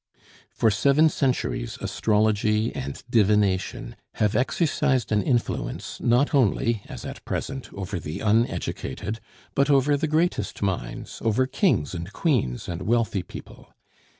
For seven centuries astrology and divination have exercised an influence not only (as at present) over the uneducated, but over the greatest minds, over kings and queens and wealthy people.